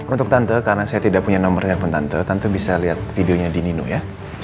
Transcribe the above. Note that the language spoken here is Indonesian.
untuk tante karena saya tidak punya nomor handphone tante tentu bisa lihat videonya di ninu ya